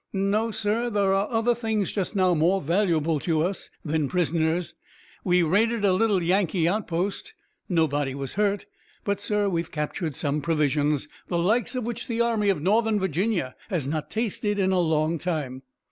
"No, sir, there are other things just now more valuable to us than prisoners. We raided a little Yankee outpost. Nobody was hurt, but, sir, we've captured some provisions, the like of which the Army of Northern Virginia has not tasted in a long time.